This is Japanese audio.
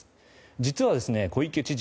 実は、小池知事